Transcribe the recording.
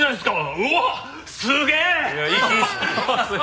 うわっすげえ！